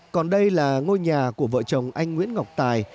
còn đây là ngôi nhà của vợ chồng anh nguyễn ngọc tài